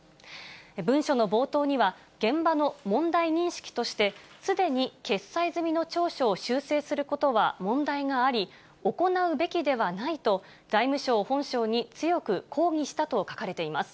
文書の冒頭には、現場の問題認識として、すでに決裁済みの調書を修正することは問題があり、行うべきではないと、財務省本省に強く抗議したと書かれています。